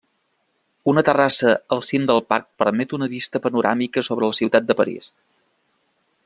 Una terrassa al cim del parc permet una vista panoràmica sobre la ciutat de París.